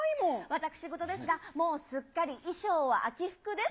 私事ですが、もうすっかり衣装は秋服です。